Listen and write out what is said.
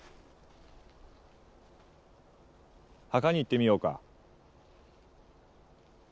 墓に行ってみようか。